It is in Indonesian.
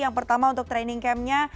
yang pertama untuk training camp nya